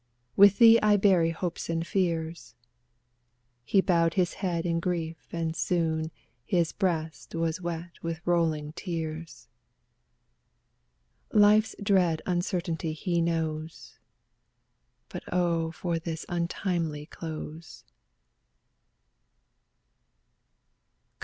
With thee I bury hopes and fears." He bowed his head in grief and soon His breast was wet with rolling tears. Life's dread uncertainty he knows, But oh for this untimely close!